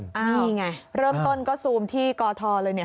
นี่ไงเริ่มต้นก็ซูมที่กทเลยเนี่ย